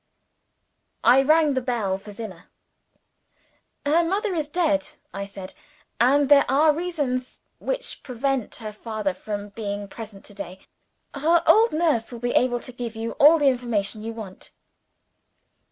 I rang the bell for Zillah. "Her mother is dead," I said. "And there are reasons which prevent her father from being present to day. Her old nurse will be able to give you all the information you want."